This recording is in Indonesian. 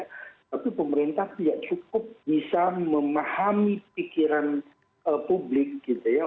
tapi pemerintah tidak cukup bisa memahami pikiran publik gitu ya